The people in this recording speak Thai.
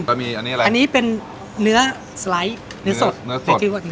แล้วมีอันนี้อะไรอันนี้เป็นเนื้อสไลด์เนื้อสดเนื้อสด